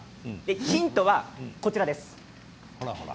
ヒントはこちらです。